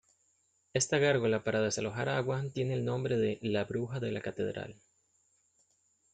Esta gárgola para desalojar agua tiene el nombre de "La Bruja de la Catedral".